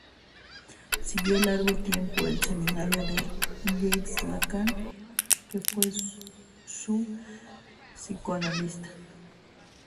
Siguió largo tiempo el seminario de Jacques Lacan, que fue su psicoanalista.